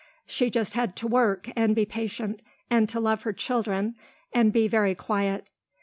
She just had to work and to be patient and to love her children and be very quiet.